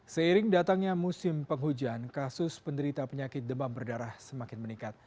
seiring datangnya musim penghujan kasus penderita penyakit demam berdarah semakin meningkat